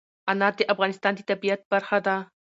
انار د افغانستان د طبیعت برخه ده.